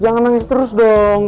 jangan nangis terus dong